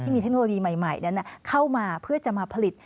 มีเทคโนโลยีใหม่นั้นเข้ามาเพื่อจะมาผลิต